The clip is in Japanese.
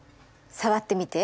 触ってみて。